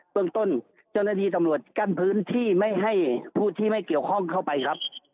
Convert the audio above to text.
เมืองต้นเจ้าหน้าที่ตำรวจกั้นพื้นที่ไม่ให้ผู้ที่ไม่เกี่ยวข้องเข้าไปครับ